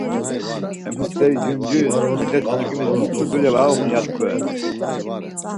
Emu steri cuncuris cennetiçkimis mutu dulya var uğun tkveren.